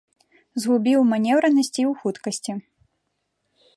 Згубіў у манеўранасці і ў хуткасці.